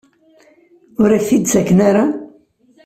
Ur ak-t-id-ttaken ara?